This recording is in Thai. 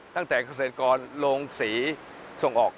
ตั้งแต่เกษตรกรโลงสีส่งออก